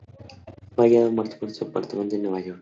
Fue hallado muerto en su apartamento de Nueva York.